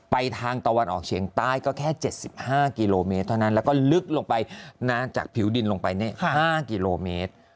ทางตะวันออกเฉียงใต้ก็แค่๗๕กิโลเมตรเท่านั้นแล้วก็ลึกลงไปนานจากผิวดินลงไป๕กิโลเมตร